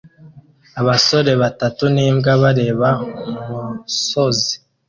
Abasore batatu n'imbwa bareba umusozi